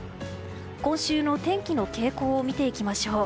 今週の天気の傾向を見ていきましょう。